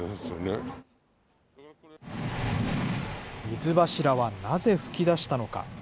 水柱はなぜ噴き出したのか。